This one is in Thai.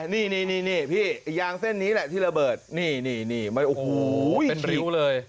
นี่พี่ยางเส้นนี้แหละที่ระเบิดนี่ไม่โอ้โหเป็นริ้วเลย